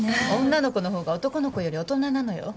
女の子の方が男の子より大人なのよ。